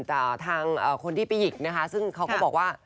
แต่ทางคนที่ไปหยิกนะคะซึ่งเขาก็บอกว่า